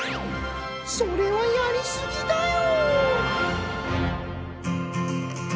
それはやりすぎだよ。